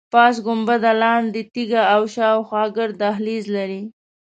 پاس ګنبده، لاندې تیږه او شاخوا ګرد دهلیز لري.